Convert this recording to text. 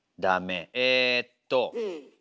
えっと。